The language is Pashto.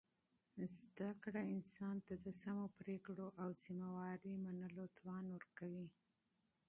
زده کړه انسان ته د سمو پرېکړو او مسؤلیت منلو توان ورکوي.